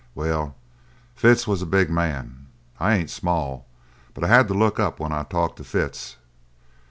Well, Fitz was a big man. I ain't small, but I had to look up when I talked to Fitz.